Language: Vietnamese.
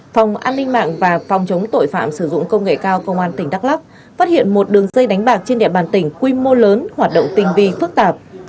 phòng an ninh mạng và phòng chống tội phạm sử dụng công nghệ cao công an tỉnh đắk lắk phát hiện một đường dây đánh bạc trên địa bàn tỉnh quy mô lớn hoạt động tình vi phức tạp